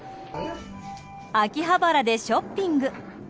秋葉原でショッピング。